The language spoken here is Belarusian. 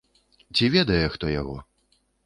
Ці ведае хто яго?